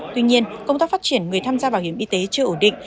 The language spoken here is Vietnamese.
tuy nhiên công tác phát triển người tham gia bảo hiểm y tế chưa ổn định